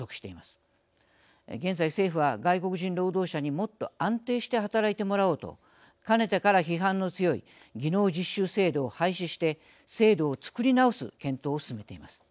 現在政府は外国人労働者にもっと安定して働いてもらおうとかねてから批判の強い技能実習制度を廃止して制度を作り直す検討を進めています。